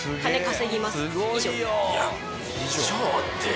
いや以上って。